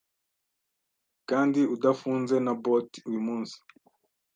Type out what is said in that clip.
Kandi udafunze na bolt uyumunsi